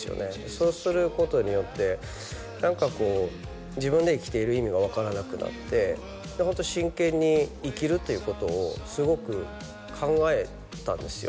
そうすることによって何かこう自分で生きている意味が分からなくなってホント真剣に生きるということをすごく考えたんですよ